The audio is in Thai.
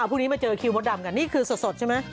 พรุ่งนี้มาเจอคิวมดดำกันนี่คือสดใช่ไหม